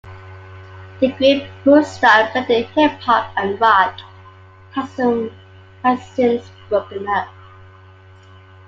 The group, whose style blended hip-hop and rock, has since broken up.